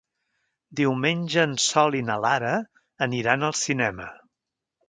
Diumenge en Sol i na Lara aniran al cinema.